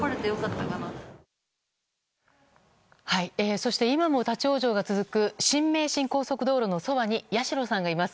そして今も立ち往生が続く新名神高速道路のそばに矢代さんがいます。